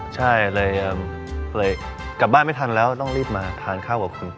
ใช่เลยกลับบ้านไม่ทันแล้วต้องรีบมาทานข้าวกับคุณ